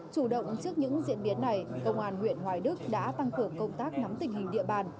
chủ động trước những diễn biến này công an huyện hoài đức đã tăng cường công tác nắm tình hình địa bàn